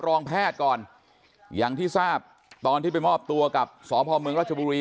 รองแพทย์ก่อนอย่างที่ทราบตอนที่ไปมอบตัวกับสพเมืองรัชบุรี